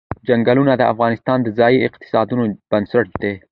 چنګلونه د افغانستان د ځایي اقتصادونو بنسټ دی.